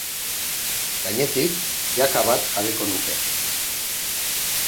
Gainetik, jaka bat jarriko nuke.